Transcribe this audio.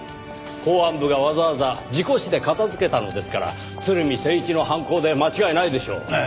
公安部がわざわざ事故死で片付けたのですから鶴見征一の犯行で間違いないでしょう。